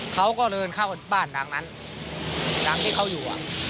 เขาก็เริ่นเข้าบ้านหลังนั้นหลังที่เขาอยู่อ่ะ